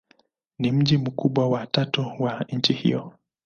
Ni mji mkubwa wa tatu wa nchi hiyo.